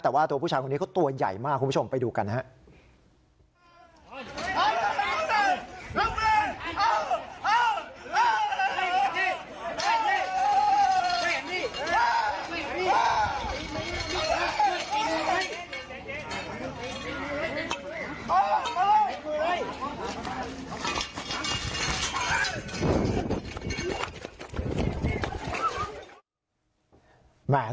แต่ว่าตัวผู้ชายคนนี้เขาตัวใหญ่มากคุณผู้ชมไปดูกันนะครับ